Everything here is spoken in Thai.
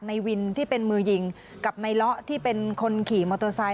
ในวินที่เป็นมือยิงกับในเลาะที่เป็นคนขี่มอเตอร์ไซค